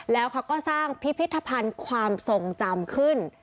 แล้วเขาก็สร้างพิพิธภัณฑ์ความทรงจำขึ้น